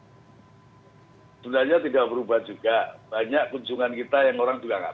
sebenarnya tidak berubah juga banyak kunjungan kita yang orang juga nggak tahu